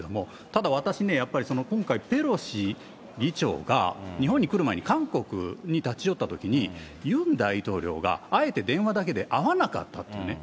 ただ、私ね、やっぱり今回、ペロシ議長が日本に来る前に韓国に立ち寄ったときに、ユン大統領があえて電話だけで会わなかったってね。